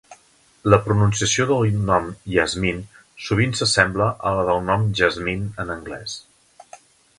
La pronunciació del nom Yasmin sovint s'assembla a la del nom Jasmine en anglès.